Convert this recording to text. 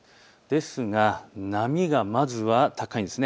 ですが、波がまずは高いんです。